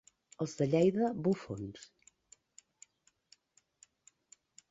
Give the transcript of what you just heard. Els de Lleida, bufons.